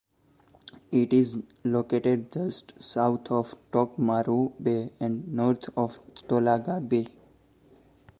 It is located just south of Tokomaru Bay and north of Tolaga Bay.